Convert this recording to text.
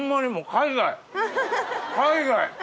海外。